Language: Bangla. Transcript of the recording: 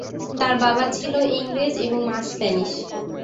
তার বাবা ছিল ইংরেজ এবং মা স্প্যানিশ।